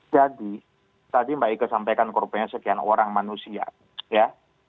jadi tadi mbak ika sampaikan ke rupanya sekian orang manusia ya